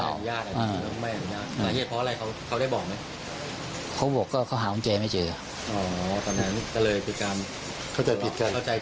อ๋อตำแหน่งก็เลยกับการเข้าใจผิด